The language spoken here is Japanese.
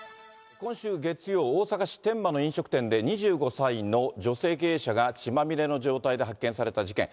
今週月曜、大阪市天満の飲食店で、２５歳の女性経営者が血まみれの状態で発見された事件。